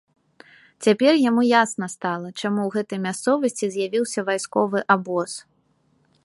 Цяпер яму ясна стала, чаму ў гэтай мясцовасці з'явіўся вайсковы абоз.